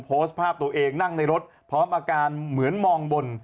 โพสต์ภาพตัวเองนั่งในรถพร้อมอาการเหมือนมองบน